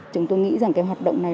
chúng tôi nghĩ rằng cái hoạt động này